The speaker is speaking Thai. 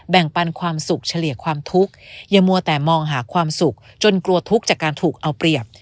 ปันความสุขเฉลี่ยความทุกข์อย่ามัวแต่มองหาความสุขจนกลัวทุกข์จากการถูกเอาเปรียบ